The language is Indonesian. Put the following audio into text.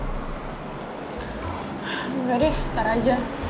enggak deh ntar aja